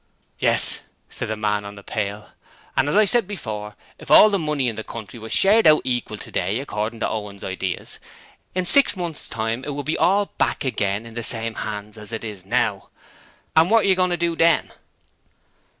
'Yes,' said the man on the pail; 'and as I said before, if all the money in the country was shared out equal today according to Owen's ideas in six months' time it would be all back again in the same 'ands as it is now, and what are you goin' to do then?'